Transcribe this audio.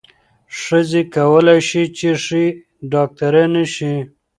ښځې کولای شي چې ښې ډاکټرانې شي.